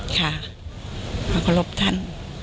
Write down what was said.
ค่ะขอโทษท่าน